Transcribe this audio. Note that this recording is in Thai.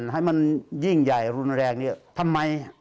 ให้มันยิ่งใหญ่รุนแรงเนี่ยทำไม